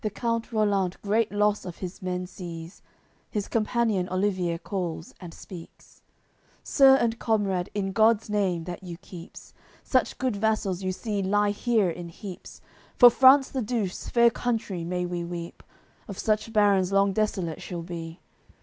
AOI. CXXVIII The count Rollant great loss of his men sees, His companion Olivier calls, and speaks: "Sir and comrade, in God's Name, That you keeps, Such good vassals you see lie here in heaps; For France the Douce, fair country, may we weep, Of such barons long desolate she'll be.